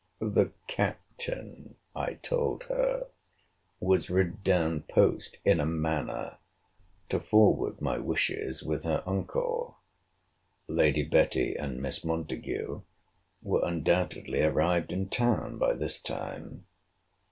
The Captain, I told her, was rid down post, in a manner, to forward my wishes with her uncle.—Lady Betty and Miss Montague were undoubtedly arrived in town by this time.